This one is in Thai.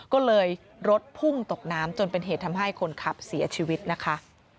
ก็เลยรถพุ่งตกน้ำจนเป็นเหตุทำให้คนขับเสียชีวิตนะคะ